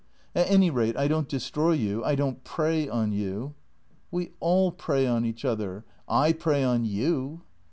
" At any rat3 I don't destroy you ; I don't prey on you." " "We all prey on each other. I prey on you."